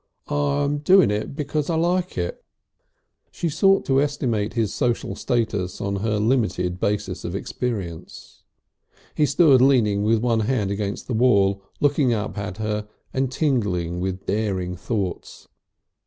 "I'm doing it because I like it." She sought to estimate his social status on her limited basis of experience. He stood leaning with one hand against the wall, looking up at her and tingling with daring thoughts.